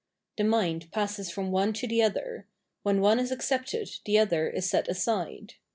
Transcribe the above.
The mind passes from one to the other ; when one is accepted the other is set aside.